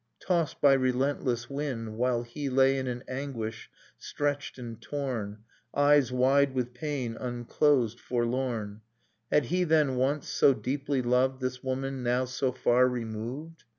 Tossed by relentless wind, while he Lay in an anguish, stretched and torn, Eyes wide with pain, unclosed, forlorn ... Had he then, once, so deeply loved This woman, now so far removed?